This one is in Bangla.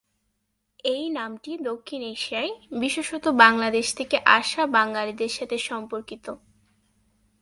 এই নামটি দক্ষিণ এশিয়ায়, বিশেষত বাংলাদেশ থেকে আসা বাঙালিদের সাথে সম্পর্কিত।